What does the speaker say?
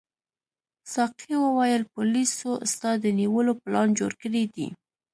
ساقي وویل پولیسو ستا د نیولو پلان جوړ کړی دی.